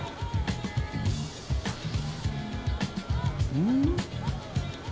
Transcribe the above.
「うん？」